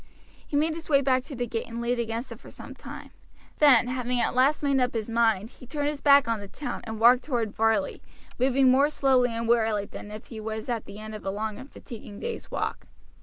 He made his way back to the gate and leaned against it for some time; then, having at last made up his mind, he turned his back on the town and walked toward Varley, moving more slowly and wearily than if he was at the end of a long and fatiguing day's walk.